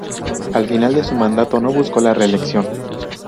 Al final de su mandato no buscó la reelección.